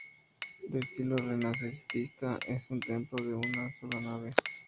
De estilo renacentista, es un templo de una sola nave.